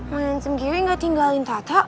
main sem geri gak tinggalin tata